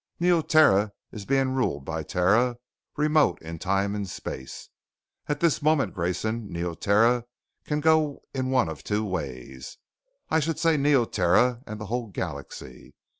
"Neoterra is being ruled by Terra, remote in time and space. At this moment, Grayson, Neoterra can go in one of two ways. I should say Neoterra and the whole galaxy.